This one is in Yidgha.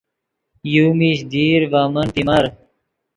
یو میش دیر ڤے من پیمر